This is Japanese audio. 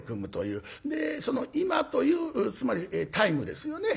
で「今」というつまりタイムですよね。